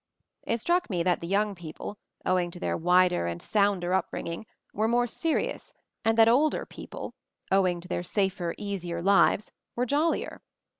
It struck me that the young (people, owing to their wider and sounder upbringing, were more serious, and that older people, owing to their safer, easier lives, were jollier.